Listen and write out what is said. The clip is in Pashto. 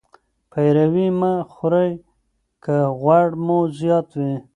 پیروي مه خورئ که غوړ مو زیات وي.